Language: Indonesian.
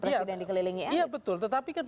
presiden dikelilingi iya betul tetapi kan